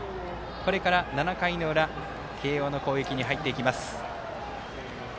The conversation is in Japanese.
これから７回の裏慶応の攻撃に入っていきます。